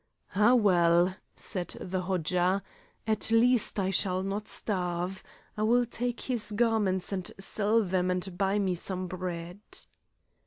"Ah, well," said the Hodja, "at least I shall not starve. I will take his garments and sell them and buy me some bread."